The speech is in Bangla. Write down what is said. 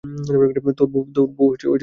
তোর বউ ঠিকই বলেছে।